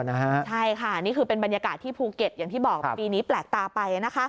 ใช่ค่ะนี่คือเป็นบรรยากาศที่ภูเก็ตอย่างที่บอกปีนี้แปลกตาไป